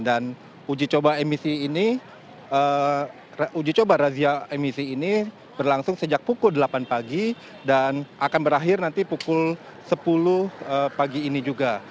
dan uji coba emisi ini uji coba razia emisi ini berlangsung sejak pukul delapan pagi dan akan berakhir nanti pukul sepuluh pagi ini juga